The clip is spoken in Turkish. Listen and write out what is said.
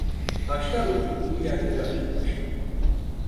Taşlar oturduğu yerleri acıtmıştı.